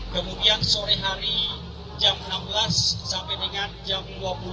kemudian sore hari jam enam belas sampai dengan jam dua puluh